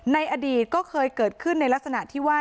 ในอดีตก็เคยเกิดขึ้นในลักษณะที่ว่า